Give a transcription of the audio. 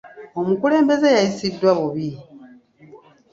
Omukulembeze yayisiddwa bubi.